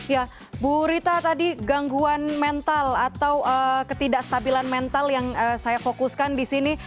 ya bu rita tadi gangguan mental atau ketidakstabilan mental yang saya fokuskan di sini